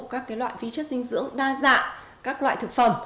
các suy dinh dưỡng đa dạng các loại thực phẩm